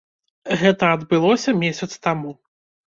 Гэта адбылося месяц таму.